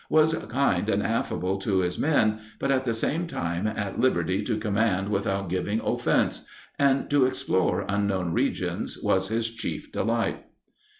was kind and affable to his men, but at the same time at liberty to command without giving offence ... and to explore unknown regions was his chief delight."